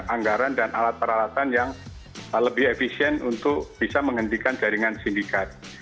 anggaran dan alat peralatan yang lebih efisien untuk bisa menghentikan jaringan sindikat